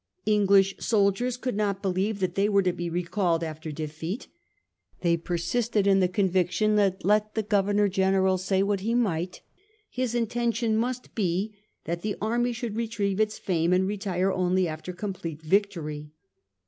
English soldiers could not believe that they were to be recalled after defeat ; they persisted in the conviction that, let the Governor General say what he might, his intention must be that the army should retrieve its fame and retire only after complete victory.